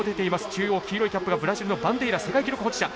中央黄色いキャップがブラジルのバンデイラ世界記録保持者。